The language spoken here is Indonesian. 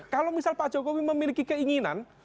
kalau misal pak jokowi memiliki keinginan